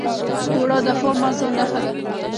اوړه د ښو مزو نښه ده